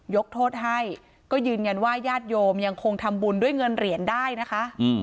ยกโทษให้ก็ยืนยันว่าญาติโยมยังคงทำบุญด้วยเงินเหรียญได้นะคะ